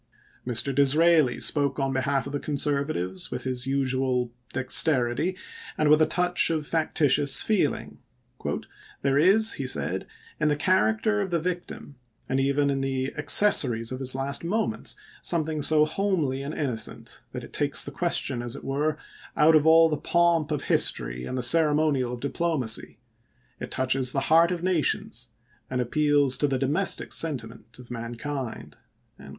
Mr. Disraeli spoke on behalf of the Conservatives with his usual dexterity and with a touch of factitious feeling. "There is," he said, " in the character of the victim, and even in the accessories of his last moments, something so homely and innocent, that it takes the question, as it were, out of all the pomp of history and the LINCOLN'S FAME 343 ceremonial of diplomacy ; it touches the heart of ch. xvnt nations and appeals to the domestic sentiment of mankind."